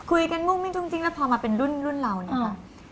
มุ่งมิ้นจุ้งจริงแล้วพอมาเป็นรุ่นเราเนี่ยค่ะ